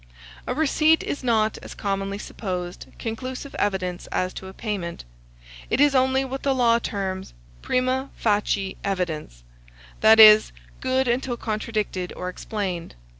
A receipt is not, as commonly supposed, conclusive evidence as to a payment. It is only what the law terms primâ facie evidence; that is, good until contradicted or explained.